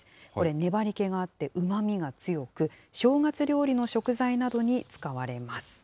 粘り気があってうまみが強く、正月料理の食材などに使われます。